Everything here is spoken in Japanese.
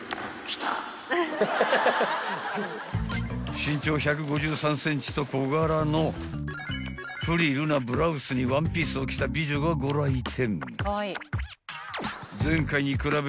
［身長１５３ｃｍと小柄のフリルなブラウスにワンピースを着た美女がご来店］